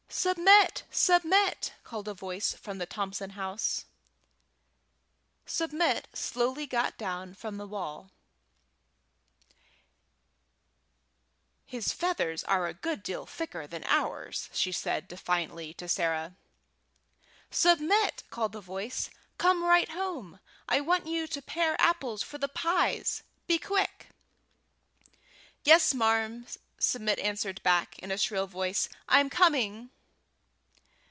"Submit! Submit!" called a voice from the Thompson house. Submit slowly got down from the wall. "His feathers are a good deal thicker than ours," she said, defiantly, to Sarah. "Submit," called the voice, "come right home! I want you to pare apples for the pies. Be quick!" "Yes, marm," Submit answered back, in a shrill voice; "I'm coming!"